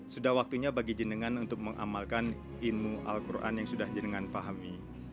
sudah waktunya bagi jenengan untuk mengamalkan ilmu al quran yang sudah jenengan pahami